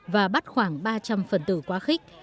và bắt khoảng ba trăm linh phần tử quá khích